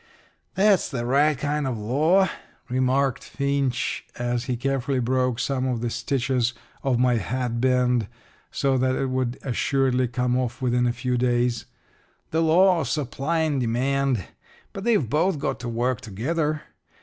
"That's the right kind of a law," remarked Finch, as he carefully broke some of the stitches of my hatband so that it would assuredly come off within a few days "the law of supply and demand. But they've both got to work together.